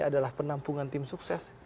adalah penampungan tim sukses